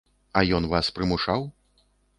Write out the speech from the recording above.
А ён вас прымушаў?